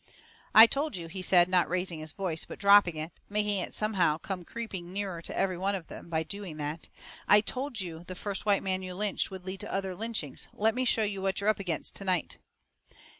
"I told you," he said, not raising his voice, but dropping it, and making it somehow come creeping nearer to every one by doing that, "I told you the first white man you lynched would lead to other lynchings. Let me show you what you're up against to night.